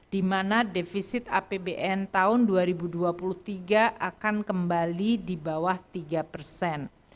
di mana defisit apbn tahun dua ribu dua puluh tiga akan kembali di bawah tiga persen